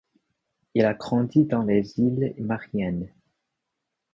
Il a grandi dans les îles Mariannes.